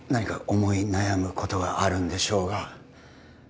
思い悩むことがあるんでしょうが